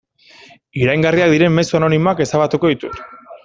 Iraingarriak diren mezu anonimoak ezabatuko ditut.